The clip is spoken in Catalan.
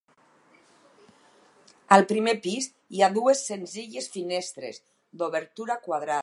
Al primer pis hi ha dues senzilles finestres d'obertura quadrada.